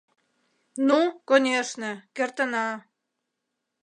— Ну, конешне, кертына!